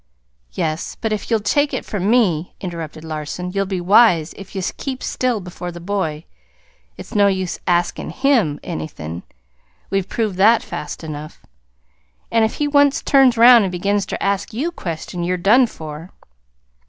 "Yes; but if yer'll take it from me," interrupted Larson, "you'll be wise if ye keep still before the boy. It's no use ASKIN' him anythin'. We've proved that fast enough. An' if he once turns 'round an' begins ter ask YOU questions, yer done for!"